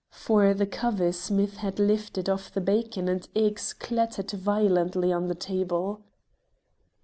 for the cover Smith had lifted off the bacon and eggs clattered violently on the table.